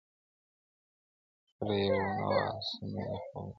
خره یې وروڼه وه آسونه یې خپلوان وه؛